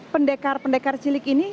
pendekar pendekar cilik ini